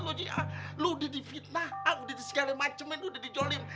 lo udah difitnah udah segala macem udah dijolim